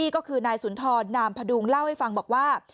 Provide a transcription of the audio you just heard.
ก็คือนายสุนทรนามพดุงเล่าให้ฟังบอกว่า